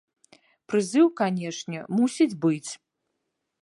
Прызыў, канечне, мусіць быць.